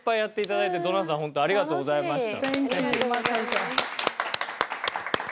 ありがとうございます。